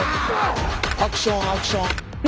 アクションアクション。